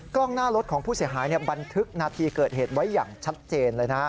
กล้องหน้ารถของผู้เสียหายบันทึกนาทีเกิดเหตุไว้อย่างชัดเจนเลยนะ